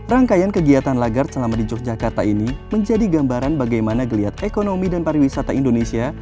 rangkaian kegiatan lagar selama di yogyakarta ini menjadi gambaran bagaimana geliat ekonomi dan pariwisata indonesia